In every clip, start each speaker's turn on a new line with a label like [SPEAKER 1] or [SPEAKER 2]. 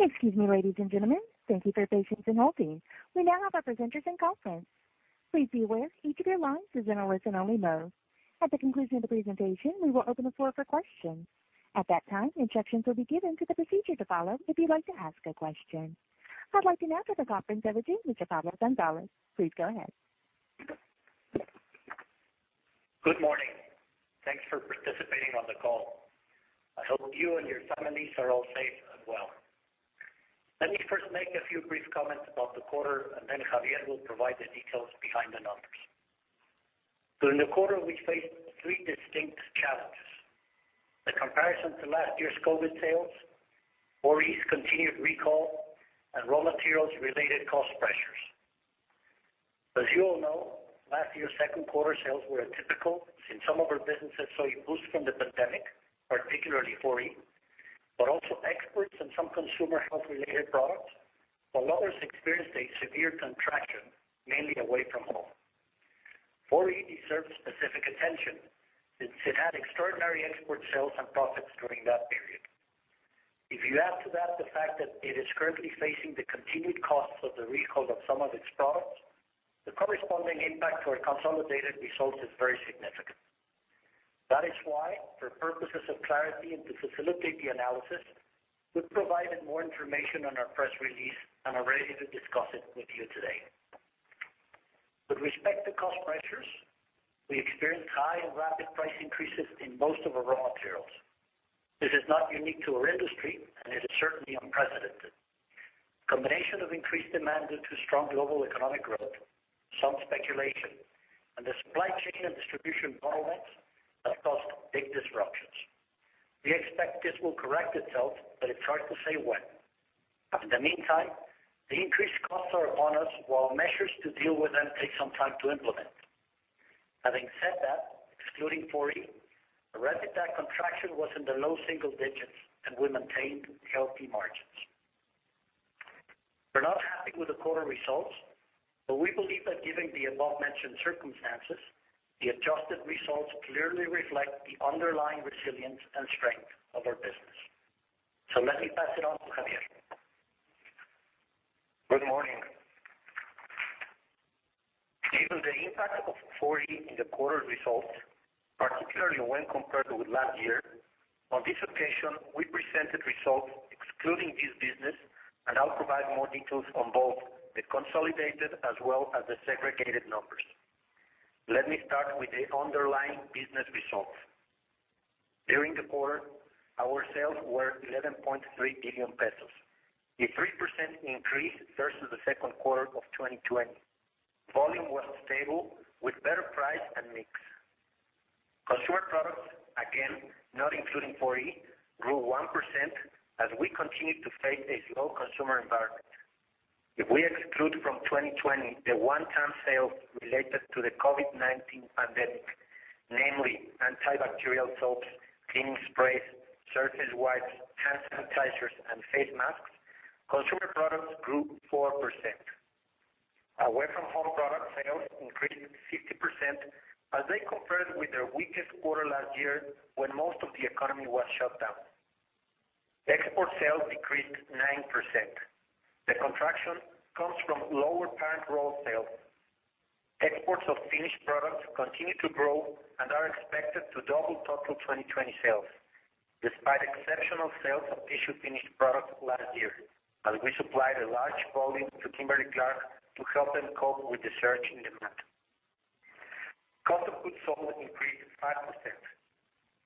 [SPEAKER 1] Excuse me, ladies and gentlemen. Thank you for your patience in holding. We now have our presenters in conference. Please be aware each of your lines is in a listen-only mode. At the conclusion of the presentation, we will open the floor for questions. At that time, instructions will be given for the procedure to follow if you'd like to ask a question. I'd like to now turn the conference over to Mr. Pablo González. Please go ahead.
[SPEAKER 2] Good morning. Thanks for participating on the call. I hope you and your families are all safe and well. Let me first make a few brief comments about the quarter, and then Xavier will provide the details behind the numbers. During the quarter, we faced three distinct challenges. The comparison to last year's COVID sales, 4E continued recall, and raw materials-related cost pressures. As you all know, last year's second quarter sales were atypical since some of our businesses saw a boost from the pandemic, particularly 4E, but also exports and some consumer health-related products, while others experienced a severe contraction, mainly Away From Home. 4E deserves specific attention since it had extraordinary export sales and profits during that period. If you add to that the fact that it is currently facing the continued costs of the recall of some of its products, the corresponding impact to our consolidated results is very significant. That is why, for purposes of clarity and to facilitate the analysis, we provided more information on our press release and are ready to discuss it with you today. With respect to cost pressures, we experienced high and rapid price increases in most of our raw materials. This is not unique to our industry and it is certainly unprecedented. A combination of increased demand due to strong global economic growth, some speculation, and the supply chain and distribution bottlenecks have caused big disruptions. We expect this will correct itself, but it is hard to say when. In the meantime, the increased costs are upon us while measures to deal with them take some time to implement. Having said that, excluding 4E, our EBITDA contraction was in the low single digits, and we maintained healthy margins. We're not happy with the quarter results, but we believe that given the above-mentioned circumstances, the adjusted results clearly reflect the underlying resilience and strength of our business. Let me pass it on to Xavier.
[SPEAKER 3] Good morning. Given the impact of 4E in the quarter results, particularly when compared with last year, on this occasion, we presented results excluding this business, and I'll provide more details on both the consolidated as well as the segregated numbers. Let me start with the underlying business results. During the quarter, our sales were 11.3 billion pesos, a 3% increase versus the second quarter of 2020. Volume was stable with better price and mix. Consumer products, again, not including 4E, grew 1% as we continued to face a slow consumer environment. If we exclude from 2020 the one-time sales related to the COVID-19 pandemic, namely antibacterial soaps, cleaning sprays, surface wipes, hand sanitizers, and face masks, consumer products grew 4%. Away From Home product sales increased 50% as they compared with their weakest quarter last year when most of the economy was shut down. Export sales decreased 9%. The contraction comes from lower parent roll sales. Exports of finished products continue to grow and are expected to double total 2020 sales, despite exceptional sales of tissue finished products last year, as we supplied a large volume to Kimberly-Clark to help them cope with the surge in demand. Cost of goods sold increased 5%.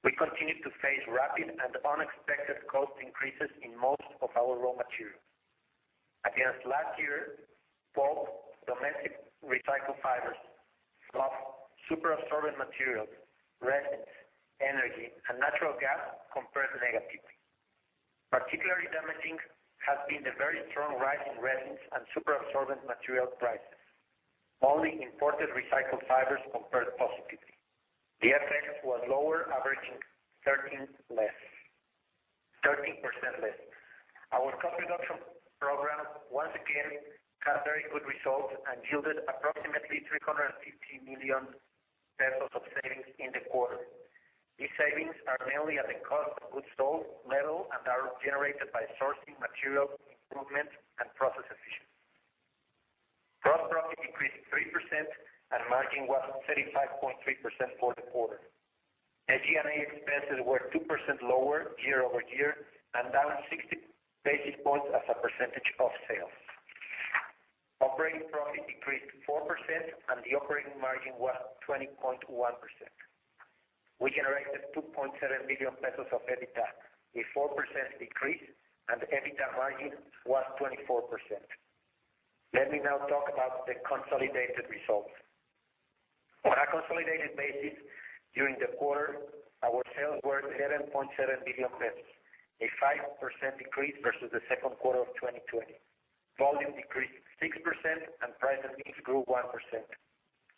[SPEAKER 3] We continued to face rapid and unexpected cost increases in most of our raw materials. Against last year, pulp, domestic recycled fibers, fluff, super-absorbent materials, resins, energy, and natural gas compared negatively. Particularly damaging has been the very strong rise in resins and super-absorbent material prices. Only imported recycled fibers compared positively. The FX was lower, averaging 13% less. Our cost reduction program once again had very good results and yielded approximately 350 million pesos of savings in the quarter. These savings are mainly at the cost of goods sold level and are generated by sourcing material improvements and process efficiency. Gross profit increased 3%, and margin was 35.3% for the quarter. SG&A expenses were 2% lower year-over-year and down 60 basis points as a percentage of sales. Operating profit decreased 4%, and the operating margin was 20.1%. We generated 2.7 million pesos of EBITDA, a 4% decrease, and EBITDA margin was 24%. Let me now talk about the consolidated results. On a consolidated basis, during the quarter, our sales were 11.7 billion pesos, a 5% decrease versus the second quarter of 2020. Volume decreased 6%, and price and mix grew 1%.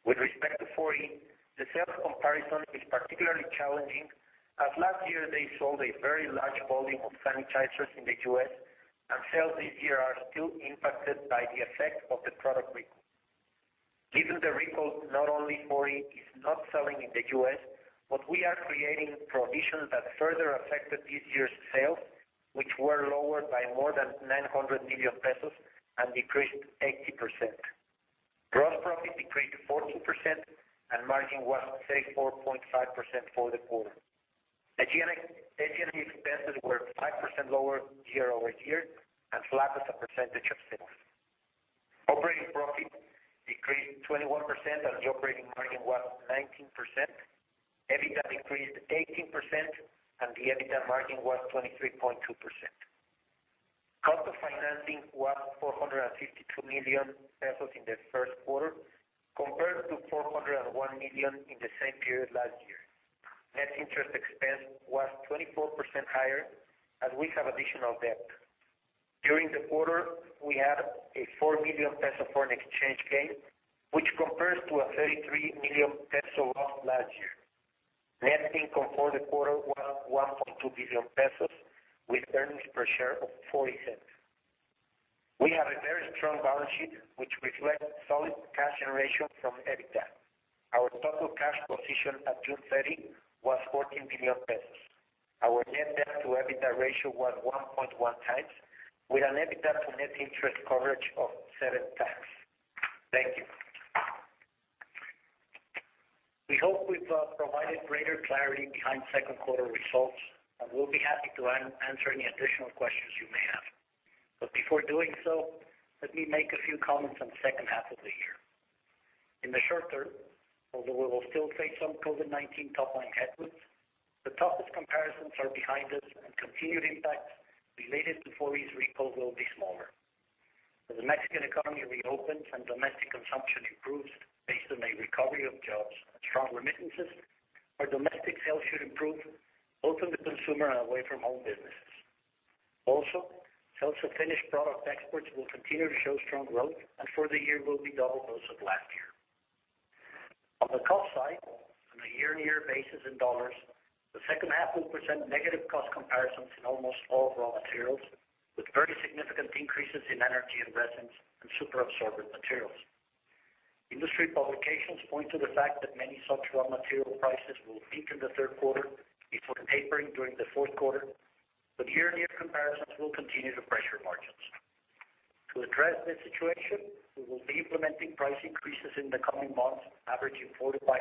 [SPEAKER 3] With respect to 4E, the sales comparison is particularly challenging, as last year they sold a very large volume of sanitizers in the U.S., and sales this year are still impacted by the effect of the product recall. Given the recall, not only 4E is not selling in the U.S., but we are creating provisions that further affected this year's sales, which were lower by more than 900 million pesos and decreased 80%. Gross profit decreased 14%, and margin was 34.5% for the quarter. SG&A expenses were 5% lower year-over-year and flat as a percentage of sales. Operating profit decreased 21%, and the operating margin was 19%. EBITDA decreased 18%, and the EBITDA margin was 23.2%. Cost of financing was MXN 452 million in the first quarter, compared to MXN 401 million in the same period last year. Net interest expense was 24% higher as we have additional debt. During the quarter, we had a 4 million peso foreign exchange gain, which compares to a 33 million peso loss last year. Net income for the quarter was 1.2 billion pesos, with Earnings Per Share of 0.40. We have a very strong balance sheet, which reflects solid cash generation from EBITDA. Our total cash position at June 30 was 14 billion pesos. Our net debt to EBITDA ratio was 1.1x, with an EBITDA to net interest coverage of 7x. Thank you.
[SPEAKER 2] We hope we've provided greater clarity behind second quarter results, and we'll be happy to answer any additional questions you may have. Before doing so, let me make a few comments on the second half of the year. In the short term, although we will still face some COVID-19 top-line headwinds, the toughest comparisons are behind us, and continued impacts related to 4E recall will be smaller. As the Mexican economy reopens and domestic consumption improves based on a recovery of jobs and strong remittances, our domestic sales should improve both in the consumer and Away From Home businesses. Sales of finished product exports will continue to show strong growth, and for the year will be double those of last year. On the cost side, on a year-on-year basis in dollars, the second half will present negative cost comparisons in almost all raw materials, with very significant increases in energy and resins and superabsorbent materials. Industry publications point to the fact that many such raw material prices will peak in the third quarter before tapering during the fourth quarter, year-on-year comparisons will continue to pressure margins. To address this situation, we will be implementing price increases in the coming months averaging 4% to 5%.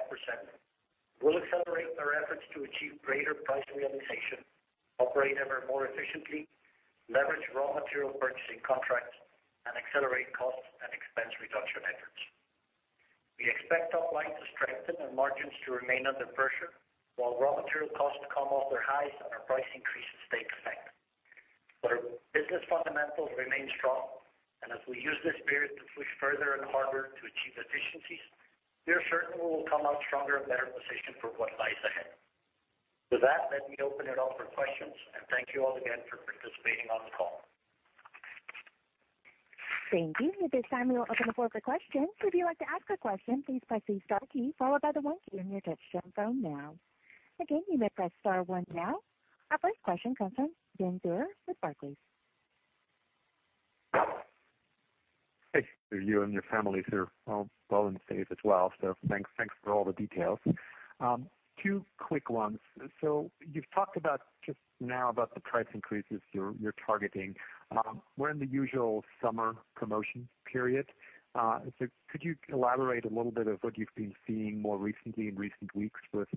[SPEAKER 2] We'll accelerate our efforts to achieve greater price realization, operate ever more efficiently, leverage raw material purchasing contracts, and accelerate cost and expense reduction efforts. We expect top line to strengthen and margins to remain under pressure while raw material costs come off their highs and our price increases take effect. Our business fundamentals remain strong, and as we use this period to push further and harder to achieve efficiencies, we are certain we will come out stronger and better positioned for what lies ahead. With that, let me open it up for questions, and thank you all again for participating on the call.
[SPEAKER 1] Thank you. At this time, we will open the floor for questions. Could you like to ask a question please press star key followed by the one key in your touch tone phone now. Again, you may press star one now. Our first question comes from Ben Theurer with Barclays.
[SPEAKER 4] Hey. You and your families are all well and safe as well, so thanks for all the details. Two quick ones. You've talked about just now about the price increases you're targeting. We're in the usual summer promotion period. Could you elaborate a little bit of what you've been seeing more recently in recent weeks with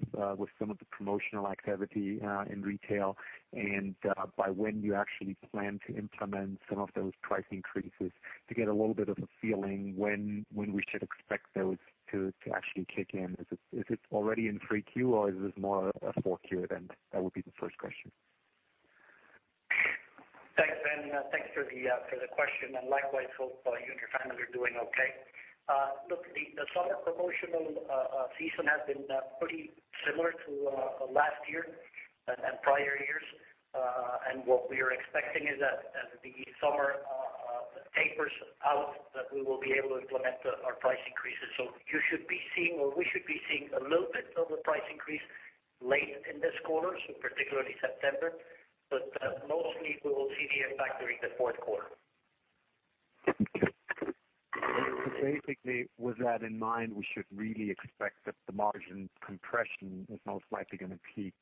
[SPEAKER 4] some of the promotional activity in retail and by when you actually plan to implement some of those price increases to get a little bit of a feeling when we should expect those to actually kick in? Is it already in 3Q, or is this more a 4Q event? That would be the first question.
[SPEAKER 3] Thanks, Ben. Thanks for the question, and likewise hope you and your family are doing okay. Look, the summer promotional season has been pretty similar to last year and prior years. What we are expecting is that as the summer tapers out, that we will be able to implement our price increases. You should be seeing, or we should be seeing a little bit of a price increase late in this quarter, particularly September. Mostly we will see the impact during the fourth quarter.
[SPEAKER 4] Basically, with that in mind, we should really expect that the margin compression is most likely going to peak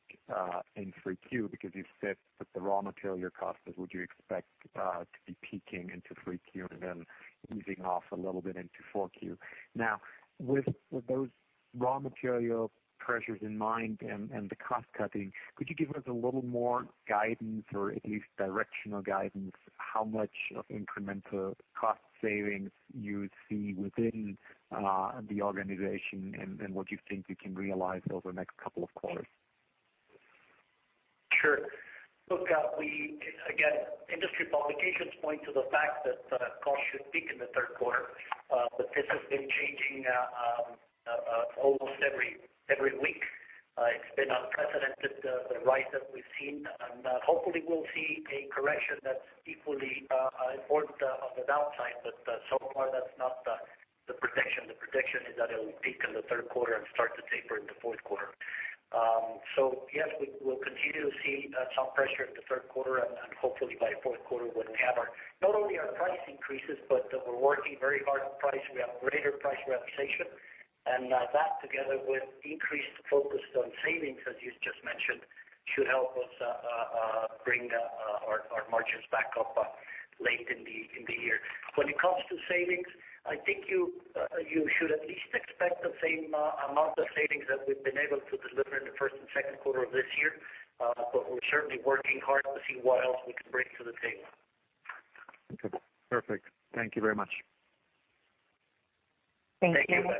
[SPEAKER 4] in 3Q because you've said that the raw material costs would you expect to be peaking into 3Q and then easing off a little bit into 4Q. Now, with those raw material pressures in mind and the cost cutting, could you give us a little more guidance or at least directional guidance, how much of incremental cost savings you see within the organization and what you think you can realize over the next couple of quarters?
[SPEAKER 3] Sure. Look, again, industry publications point to the fact that costs should peak in the third quarter. This has been changing almost every week.
[SPEAKER 2] It's been unprecedented, the rise that we've seen, and hopefully we'll see a correction that's equally important on the downside. So far that's not the prediction. The prediction is that it'll peak in the third quarter and start to taper in the fourth quarter. Yes, we'll continue to see some pressure in the third quarter and hopefully by fourth quarter, we'll have not only our price increases, but we're working very hard to price. We have greater price realization. That together with increased focus on savings, as you just mentioned, should help us bring our margins back up late in the year. When it comes to savings, I think you should at least expect the same amount of savings that we've been able to deliver in the first and second quarter of this year. We're certainly working hard to see what else we can bring to the table.
[SPEAKER 4] Okay. Perfect. Thank you very much.
[SPEAKER 3] Thank you.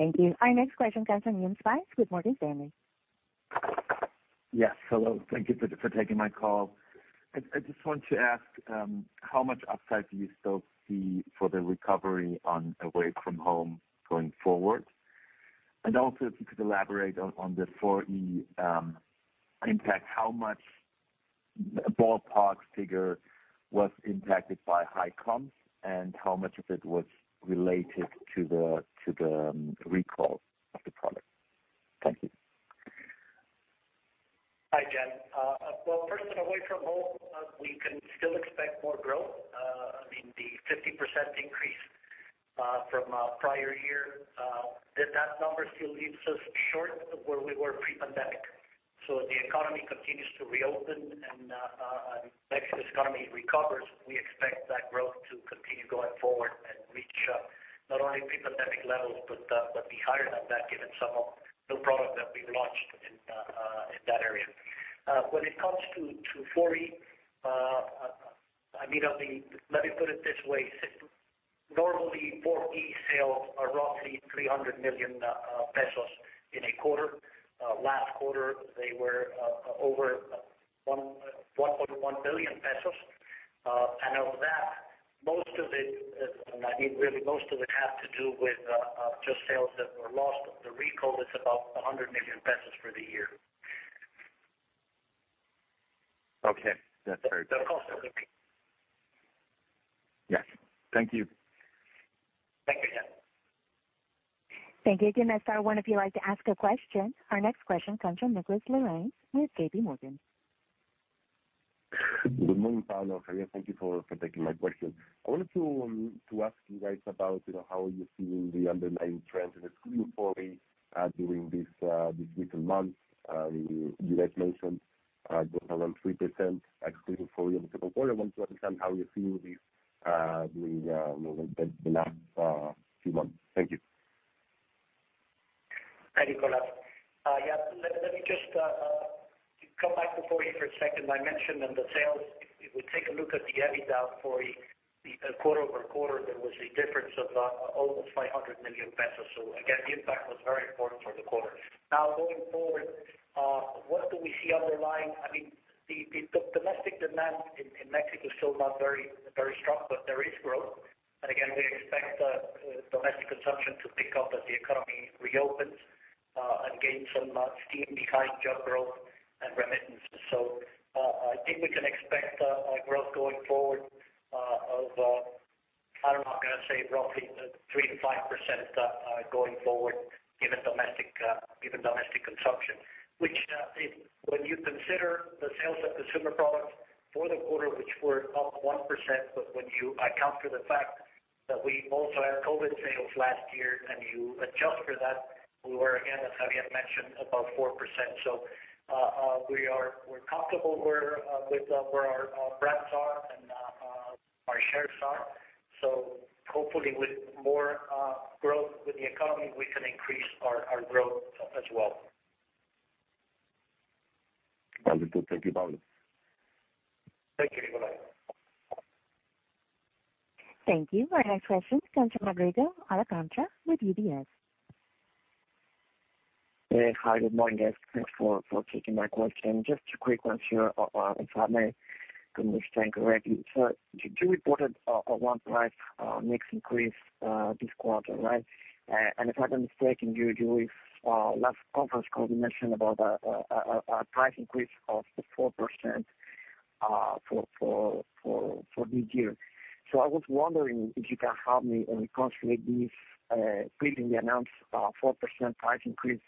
[SPEAKER 1] Thank you. Thank you. Our next question comes from Juan Guzmán with Morgan Stanley.
[SPEAKER 5] Yes. Hello. Thank you for taking my call. I just want to ask how much upside do you still see for the recovery on Away From Home going forward? Also, if you could elaborate on the 4E impact, how much ballpark figure was impacted by high comps, and how much of it was related to the recall of the product? Thank you.
[SPEAKER 2] Hi, Juan. Well, first on Away From Home, we can still expect more growth. I mean, the 50% increase from prior year, that number still leaves us short of where we were pre-pandemic. As the economy continues to reopen and Mexico's economy recovers, we expect that growth to continue going forward and reach not only pre-pandemic levels but be higher than that given some of the new product that we've launched in that area. When it comes to 4E, let me put it this way. Normally, 4E sales are roughly 300 million pesos in a quarter. Last quarter, they were over 1.1 billion pesos. Of that, most of it had to do with just sales that were lost. The recall is about 100 million pesos for the year.
[SPEAKER 5] Okay. That's very helpful.
[SPEAKER 2] The cost of it.
[SPEAKER 5] Yes. Thank you.
[SPEAKER 2] Thank you, Juan.
[SPEAKER 1] Thank you. Again, I'll remind if you would like to ask a question. Our next question comes from Nicolás Larrain with JPMorgan.
[SPEAKER 6] Good morning, Pablo, Xavier. Thank you for taking my question. I wanted to ask you guys about how you're seeing the underlying trends in excluding 4E during these recent months. You guys mentioned down around 3% excluding 4E in the second quarter. I want to understand how you're seeing these during the last few months. Thank you.
[SPEAKER 2] Hi, Nicolás. Yeah, let me just come back to 4E for a second. I mentioned in the sales, if we take a look at the EBITDA 4E, quarter-over-quarter, there was a difference of almost 500 million pesos. Again, the impact was very important for the quarter. Going forward, what do we see underlying? The domestic demand in Mexico is still not very strong, but there is growth. Again, we expect domestic consumption to pick up as the economy reopens and gain some steam behind job growth and remittances. I think we can expect growth going forward of, I don't know, I'm going to say roughly 3% to 5% going forward given domestic consumption. When you consider the sales of consumer products for the quarter, which were up 1%, but when you account for the fact that we also had COVID sales last year, and you adjust for that, we were again, as Xavier mentioned, above 4%. We're comfortable with where our brands are and our shares are. Hopefully with more growth with the economy, we can increase our growth as well.
[SPEAKER 6] That'll be good. Thank you, Pablo.
[SPEAKER 2] Thank you, Nicolás.
[SPEAKER 1] Thank you. Our next question comes from Rodrigo Alcantara with UBS.
[SPEAKER 7] Yeah. Hi. Good morning, guys. Thanks for taking my question. Just a quick one here, if I may, given we've strengthened already. You reported a 1% mix increase this quarter, right? If I'm not mistaken, during last conference call, you mentioned about a price increase of 4% for this year. I was wondering if you can help me and translate this previously announced 4% price increase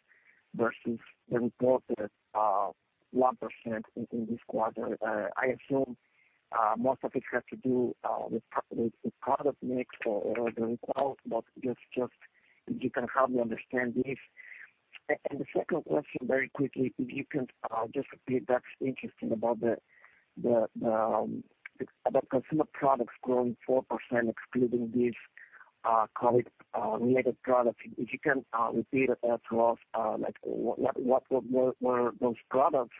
[SPEAKER 7] versus the reported 1% in this quarter. I assume most of it had to do with product mix or the recall, but just if you can help me understand this. The second question, very quickly, if you can just repeat that's interesting about the consumer products growing 4% excluding these COVID-related products. If you can repeat it as well, like what were those products,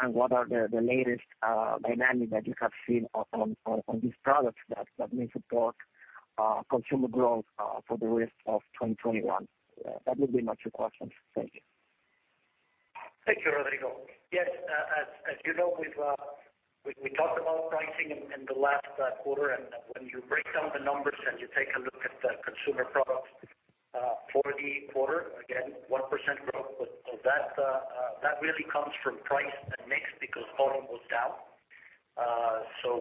[SPEAKER 7] and what are the latest dynamics that you have seen on these products that may support consumer growth for the rest of 2021? That would be my two questions. Thank you.
[SPEAKER 2] Thank you, Rodrigo. Yes. As you know, we talked about pricing in the last quarter. When you break down the numbers and you take a look at the consumer products for the quarter, again, 1% growth. That really comes from price and mix because volume was down.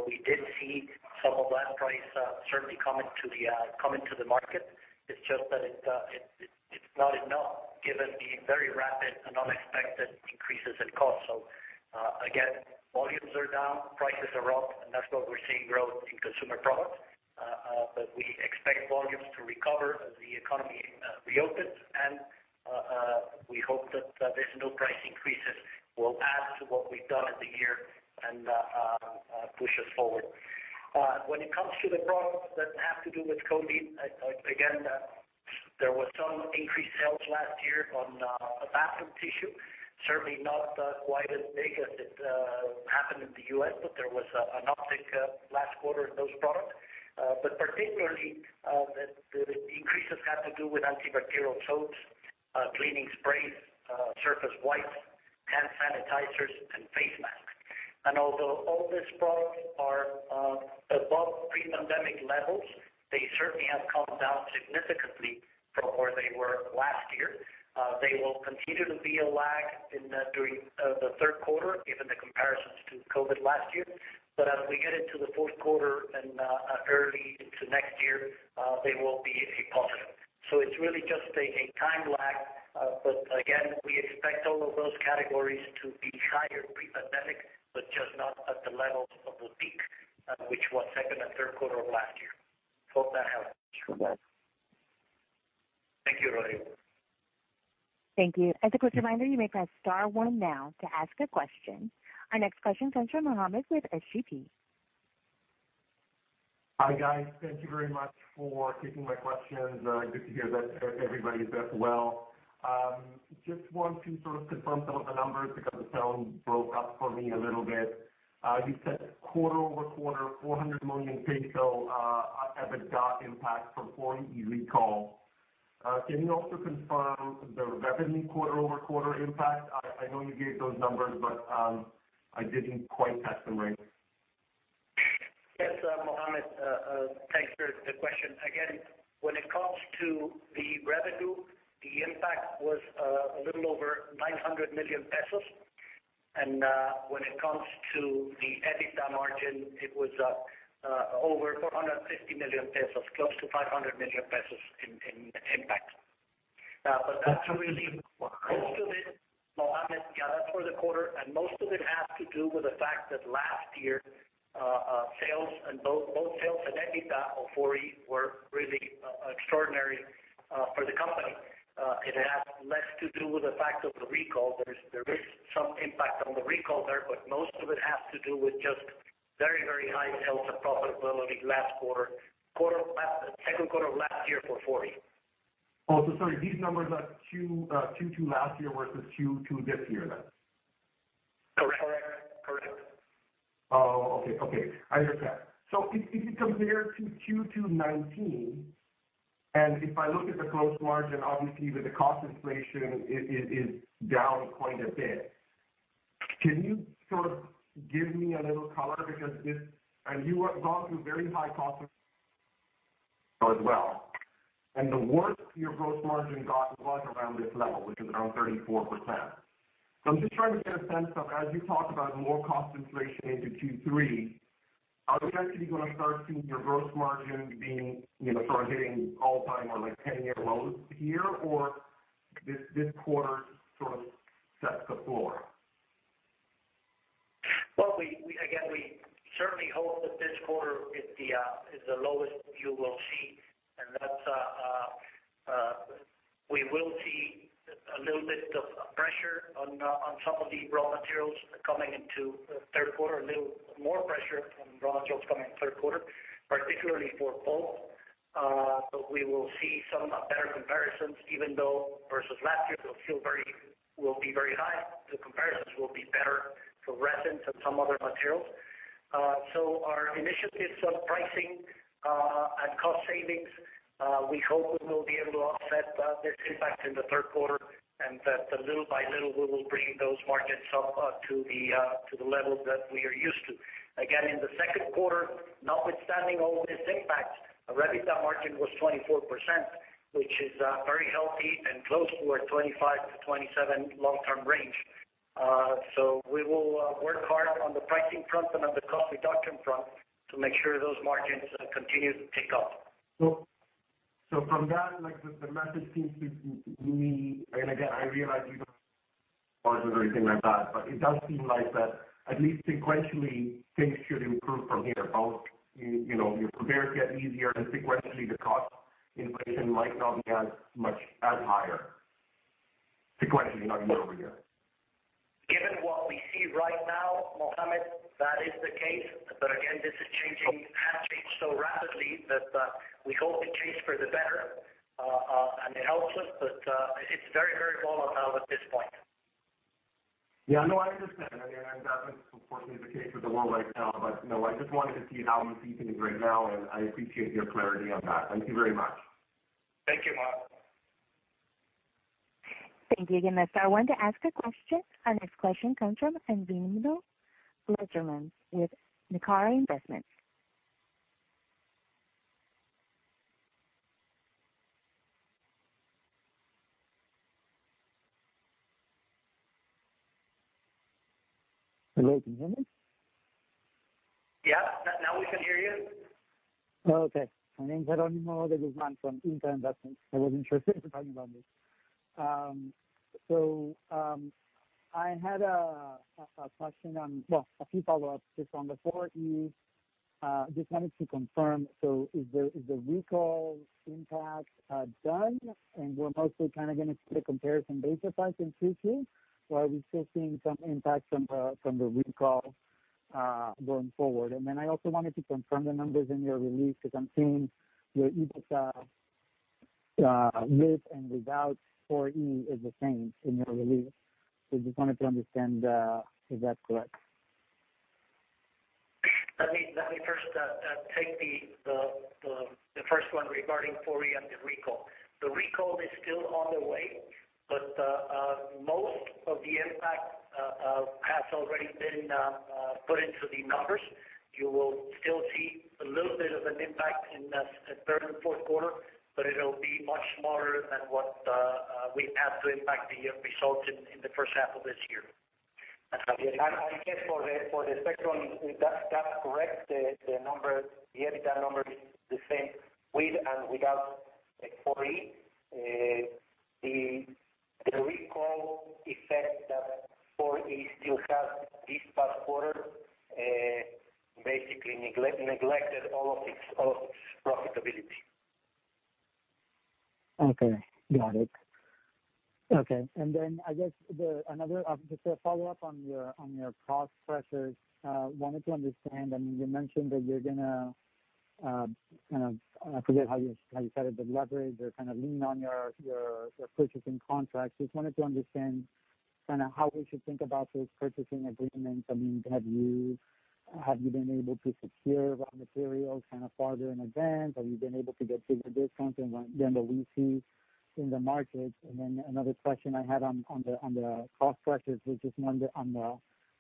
[SPEAKER 2] We did see some of that price certainly come into the market. It's just that it's not enough given the very rapid and unexpected increases in cost. Again, volumes are down, prices are up, and that's why we're seeing growth in consumer products. We expect volumes to recover as the economy reopens, and we hope that these new price increases will add to what we've done in the year and push us forward. When it comes to the products that have to do with COVID, again, there was some increased sales last year on bathroom tissue, certainly not quite as big as it happened in the U.S., but there was an uptick last quarter in those products. Particularly, the increases had to do with antibacterial soaps, cleaning sprays, surface wipes, hand sanitizers, and face masks. Although all these products are above pre-pandemic levels, they certainly have come down significantly from where they were last year. There will continue to be a lag during the third quarter, given the comparisons to COVID last year. As we get into the fourth quarter and early into next year, they will be a positive. It's really just a time lag. Again, we expect all of those categories to be higher pre-pandemic, but just not at the levels of the peak which was second and third quarter of last year. Hope that helps.
[SPEAKER 7] Sure does.
[SPEAKER 2] Thank you, Rodrigo.
[SPEAKER 1] Thank you. As a quick reminder, you may press star one now to ask a question. Our next question comes from Mohammed with SGP.
[SPEAKER 8] Hi, guys. Thank you very much for taking my questions. Good to hear that everybody is doing well. Just want to sort of confirm some of the numbers because the phone broke up for me a little bit. You said quarter-over-quarter, MXN 400 million EBITDA impact from 4E recall. Can you also confirm the revenue quarter-over-quarter impact? I know you gave those numbers, but I didn't quite catch them right.
[SPEAKER 2] Yes, Mohammed. Thanks for the question. When it comes to the revenue, the impact was a little over 900 million pesos. When it comes to the EBITDA margin, it was over 450 million pesos, close to 500 million pesos in impact. That's really most of it, Mohammed, yeah, that's for the quarter, and most of it has to do with the fact that last year both sales and EBITDA of Away From Home were really extraordinary for the company. It has less to do with the fact of the recall. There is some impact on the recall there, most of it has to do with just very high sales and profitability second quarter of last year for Away From Home.
[SPEAKER 8] So sorry, these numbers are Q2 last year versus Q2 this year then?
[SPEAKER 2] Correct.
[SPEAKER 8] Okay. I understand. If you compare to Q2 2019, and if I look at the gross margin, obviously with the cost inflation, it is down quite a bit. Can you sort of give me a little color? Because you have gone through very high cost as well, and the worst your gross margin got was around this level, which is around 34%. I'm just trying to get a sense of, as you talk about more cost inflation into Q3, are we actually going to start seeing your gross margin hitting all-time or 10-year lows here, or this quarter sort of sets the floor?
[SPEAKER 2] Well, again, we certainly hope that this quarter is the lowest you will see. That we will see a little bit of pressure on some of the raw materials coming into the third quarter, a little more pressure on raw materials coming in the third quarter, particularly for pulp. We will see some better comparisons, even though versus last year, it will be very high. The comparisons will be better for resins and some other materials. Our initiatives on pricing and cost savings, we hope will be able to offset this impact in the third quarter, and that little by little, we will bring those margins up to the levels that we are used to. Again, in the second quarter, notwithstanding all these impacts, our EBITDA margin was 24%, which is very healthy and close to our 25%-27% long-term range. We will work hard on the pricing front and on the cost reduction front to make sure those margins continue to tick up.
[SPEAKER 8] From that, the message seems to me, and again, I realize you don't do guidance or anything like that, but it does seem like that at least sequentially, things should improve from here. Pulps, your compares get easier, and sequentially, the cost inflation might not be as much as higher. Sequentially, not year-over-year.
[SPEAKER 2] Given what we see right now, Mohammed, that is the case. Again, this is changing, has changed so rapidly that we hope it changed for the better, and it helps us. It's very volatile at this point.
[SPEAKER 8] Yeah. No, I understand. That is unfortunately the case with the world right now. No, I just wanted to see how you're thinking right now, and I appreciate your clarity on that. Thank you very much.
[SPEAKER 2] Thank you, Mohammed.
[SPEAKER 1] Thank you again. Press star one to want to ask a question. Our next question comes from Jeronimo De Guzman with INCA Investments.
[SPEAKER 9] Hello, can you hear me?
[SPEAKER 2] Yeah. Now we can hear you.
[SPEAKER 9] Okay. My name is Jeronimo de Guzman from INCA Investments. I wasn't sure if you were talking about me. I had a question on, well, a few follow-ups just on the 4E. Just wanted to confirm, so is the recall impact done, and we're mostly going to see the comparison base effects in Q2, or are we still seeing some impact from the recall, going forward? Then I also wanted to confirm the numbers in your release because I'm seeing your EBITDA, with and without 4E is the same in your release. Just wanted to understand if that's correct.
[SPEAKER 3] Let me first take the one regarding 4E and the recall. The recall is still on the way, but most of the impact has already been put into the numbers. You will still see a little bit of an impact in the third and forth quarter, but it'll be much smaller than what we had to impact the results in the first half of this year. I guess for the spectrum, that's correct, the EBITDA number is the same with and without 4E. The recall effect that 4E still has this past quarter basically neglected all of its profitability.
[SPEAKER 9] Okay. Got it. Okay. I guess another, just a follow-up on your cost pressures. I wanted to understand, I mean, you mentioned that you're going to, I forget how you said it, but leverage or kind of lean on your purchasing contracts. Just wanted to understand how we should think about those purchasing agreements. Have you been able to secure raw materials farther in advance? Have you been able to get bigger discounts than what we see in the market? Another question I had on the cost pressures was just on the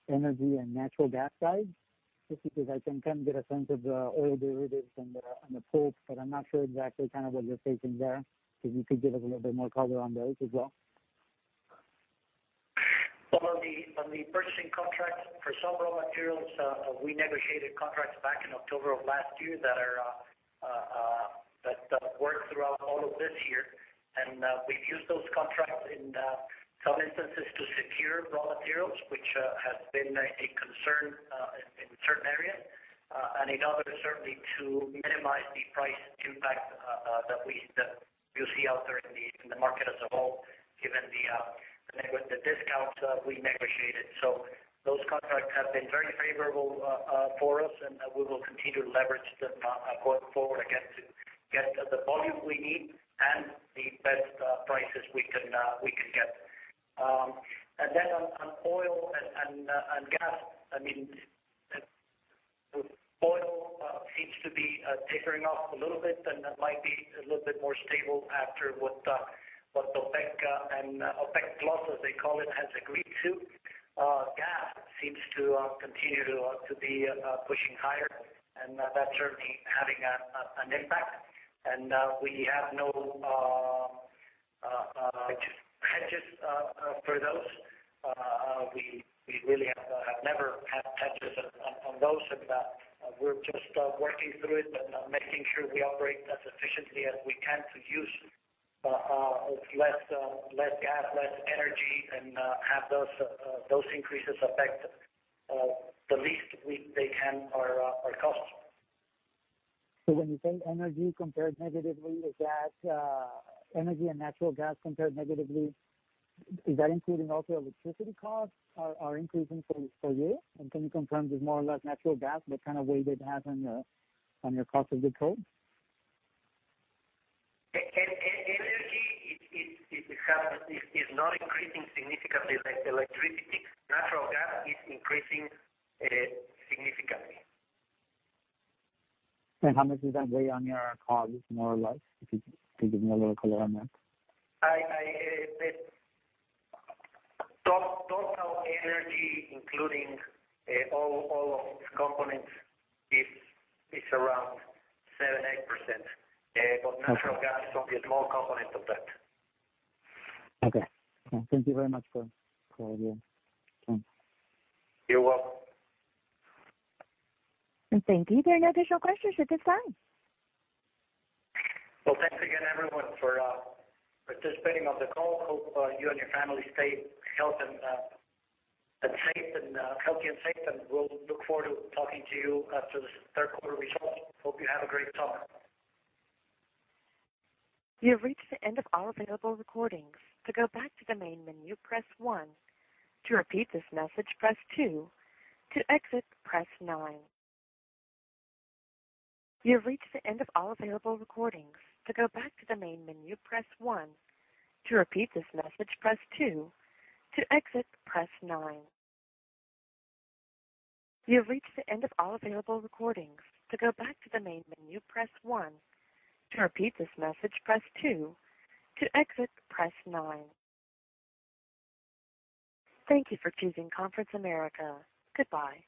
[SPEAKER 9] energy and natural gas side. Just because I can get a sense of the oil derivatives and the pulp, but I'm not sure exactly what you're facing there. If you could give us a little bit more color on those as well.
[SPEAKER 2] On the purchasing contracts for some raw materials, we negotiated contracts back in October of last year that work throughout all of this year. We've used those contracts in some instances to secure raw materials, which has been a concern in certain areas. In others, certainly to minimize the price impact that you see out there in the market as a whole, given the discounts we negotiated. Those contracts have been very favorable for us and we will continue to leverage them, going forward, again, to get the volume we need and the best prices we can get. On oil and gas, oil seems to be tapering off a little bit and might be a little bit more stable after what the OPEC and OPEC Plus, as they call it, has agreed to. Gas seems to continue to be pushing higher, and that's certainly having an impact. We have no hedges for those. We really have never had hedges on those, and we're just working through it and making sure we operate as efficiently as we can to use less gas, less energy, and have those increases affect the least they can our costs.
[SPEAKER 9] When you say energy compared negatively, is that energy and natural gas compared negatively, is that including also electricity costs are increasing for you? Can you confirm there's more or less natural gas, what kind of weight it has on your cost of goods sold?
[SPEAKER 2] Energy is not increasing significantly, like electricity. Natural gas is increasing significantly.
[SPEAKER 9] How much is that weigh on your costs, more or less? If you could give me a little color on that.
[SPEAKER 2] Total energy, including all of its components, is around 7% to 8%. Natural gas will be a small component of that.
[SPEAKER 9] Okay. Thank you very much for all the info.
[SPEAKER 2] You're welcome.
[SPEAKER 1] Thank you. There are no additional questions at this time.
[SPEAKER 2] Well, thanks again, everyone, for participating on the call. Hope you and your family stay healthy and safe, and we'll look forward to talking to you after the third quarter results. Hope you have a great summer.
[SPEAKER 1] You've reached the end of all available recordings. To go back to the main menu, press one. To repeat this message, press two. To exit, press nine. You've reached the end of all available recordings. To go back to the main menu, press one. To repeat this message, press two. To exit, press nine. You've reached the end of all available recordings. To go back to the main menu, press one. To repeat this message, press two. To exit, press nine. Thank you for choosing Conference America. Goodbye.